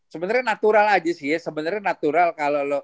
sebenernya natural aja sih ya sebenernya natural kalo lu